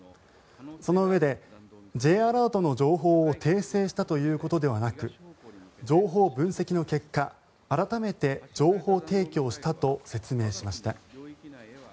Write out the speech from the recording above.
そのうえで、Ｊアラートの情報を訂正したということではなく情報分析の結果改めて情報提供したと説明しました。